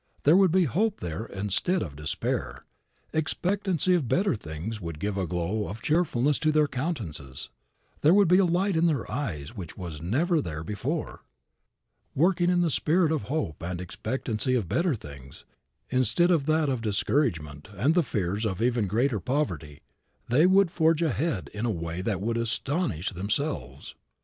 There would be hope there instead of despair, expectancy of better things would give a glow of cheerfulness to their countenances. There would be a light in their eyes which never was there before. Working in the spirit of hope and expectancy of better things instead of that of discouragement and the fears of even greater poverty, they would forge ahead in a way that would astonish themselves.